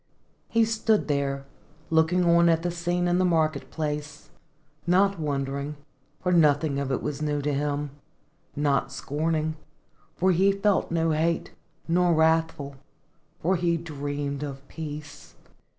He stood there, looking on at the scene in the market place, not wondering, for nothing of it was new to him, not scorning, for he felt no hate, not wrathful, for he dreamed of peace.